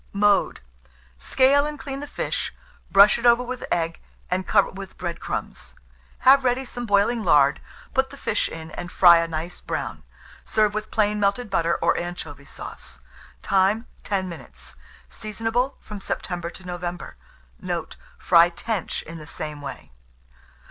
Mode. Scale and clean the fish, brush it over with egg, and cover with bread crumbs. Have ready some boiling lard; put the fish in, and fry a nice brown. Serve with plain melted butter or anchovy sauce. Time. 10 minutes. Seasonable from September to November. Note. Fry tench in the same way.